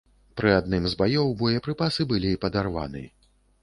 Пры адным з баёў боепрыпасы былі падарваны.